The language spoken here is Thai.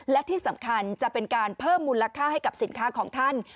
และที่สำคัญจะเป็นการเพิ่มมูลค่าให้กับสินค้าของท่าน